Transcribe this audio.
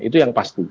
itu yang pasti